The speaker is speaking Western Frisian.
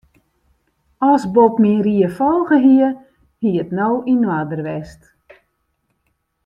As Bob myn ried folge hie, hie it no yn oarder west.